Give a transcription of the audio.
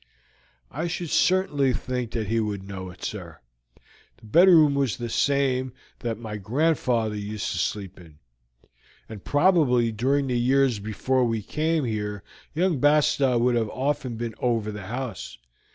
"I should certainly think that he would know it, sir. The bedroom was the same that my grandfather used to sleep in, and probably during the years before we came here young Bastow would have often been over the house.